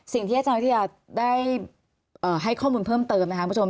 สิ่งที่อาจารย์วิทยาได้ให้ข้อมูลเพิ่มเติมนะครับคุณผู้ชม